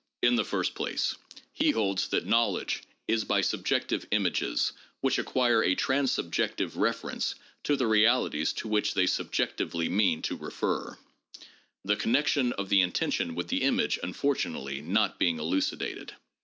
In the first place, he holds that knowledge is by subjective images which acquire a ' transubjective reference ' to the realities to which they subjectively mean to refer, — the connection of the intention with the image, unfortunately, not being elucidated.